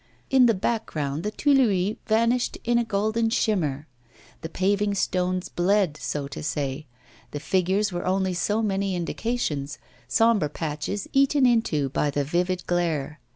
In the background the Tuileries vanished in a golden shimmer; the paving stones bled, so to say; the figures were only so many indications, sombre patches eaten into by the vivid glare.